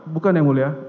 bukan ya mulia